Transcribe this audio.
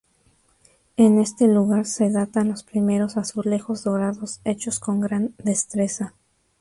En este lugar se datan los primeros azulejos dorados hechos con gran destreza.